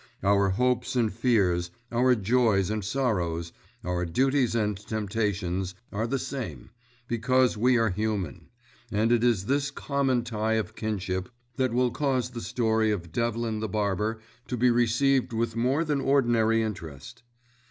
Our hopes and fears, our joys and sorrows, our duties and temptations, are the same, because we are human; and it is this common tie of kinship that will cause the story of Devlin the Barber to be received with more than ordinary interest.